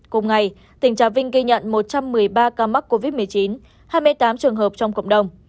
cùng ngày tỉnh trà vinh ghi nhận một trăm một mươi ba ca mắc covid một mươi chín hai mươi tám trường hợp trong cộng đồng